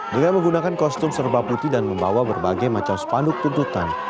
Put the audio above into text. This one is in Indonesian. dengan menggunakan kostum serba putih dan membawa berbagai macam spanduk tuntutan